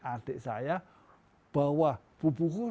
bahwa buku saya sudah dibakar bahwa buku saya sudah dibakar